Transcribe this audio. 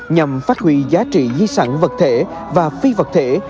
nhằm phát huy giá trị di sản vật thể và phi vật thể